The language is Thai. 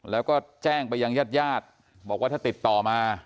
แล้วก็แจ้งไปยังญาติญาติบอกว่าถ้าติดต่อมา